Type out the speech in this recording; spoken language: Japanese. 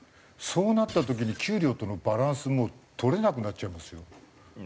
そうなった時に給料とのバランスも取れなくなっちゃいますよ。